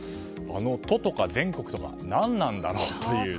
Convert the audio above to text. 都とか全国とか何なんだろうという。